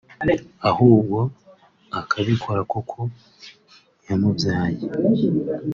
ahubwo akabikora kuko yamubyaye